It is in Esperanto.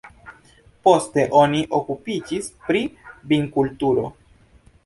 Poste oni okupiĝis pri vinkulturo.